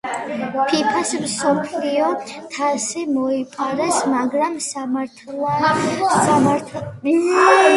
ფიფა-ს მსოფლიო თასი მოიპარეს, მაგრამ სამართალდამცველებმა ორივეჯერ დააბრუნეს.